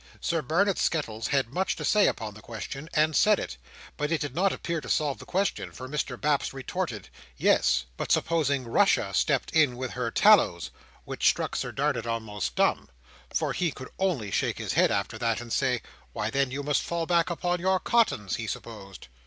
Sir Barnet Skettles had much to say upon the question, and said it; but it did not appear to solve the question, for Mr Baps retorted, Yes, but supposing Russia stepped in with her tallows; which struck Sir Barnet almost dumb, for he could only shake his head after that, and say, Why then you must fall back upon your cottons, he supposed.